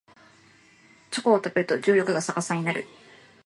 チョコを食べると重力が逆さになる